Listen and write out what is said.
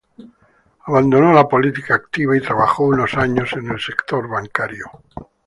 Abandonó la política activa y trabajó unos años en el sector bancario.